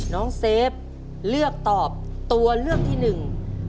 เซฟเลือกตอบตัวเลือกที่หนึ่ง